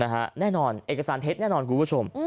แน่นอนเอกสารเท็จแน่นอนคุณผู้ชม